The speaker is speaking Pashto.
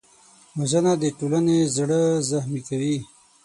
وژنه د ټولنې زړه زخمي کوي